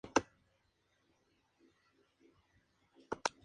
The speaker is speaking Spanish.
Teresa sobrevivió a su marido, el conde de Barcelos, casi unos veinte años.